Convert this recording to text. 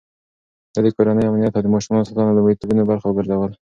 ده د کورنۍ امنيت او د ماشومانو ساتنه د لومړيتوبونو برخه وګرځوله.